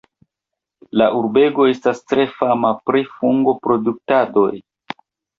La urbego estas tre fama pri fungoproduktadoj.